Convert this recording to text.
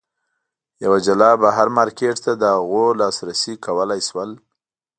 یوه جلا بهر مارکېټ ته د هغوی لاسرسی کولای شول.